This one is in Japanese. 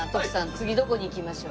次どこに行きましょう？